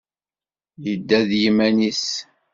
Yedda d yiman-is.